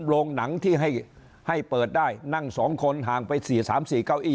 โรงหนังที่ให้ให้เปิดได้นั่งสองคนห่างไปสี่สามสี่เก้าอี้